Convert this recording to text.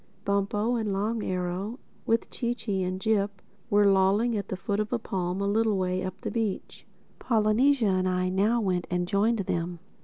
Bumpo and Long Arrow, with Chee Chee and Jip, were lolling at the foot of a palm a little way up the beach. Polynesia and I now went and joined them.